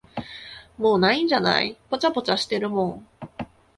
もう無いんじゃない、ぽちゃぽちゃしてるもん。